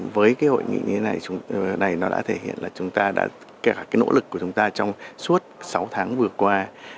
với hội nghị như thế này nó đã thể hiện là nỗ lực của chúng ta trong suốt sáu tháng vừa qua